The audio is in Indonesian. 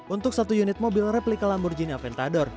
untuk satu unit mobil replika lamborghini aventador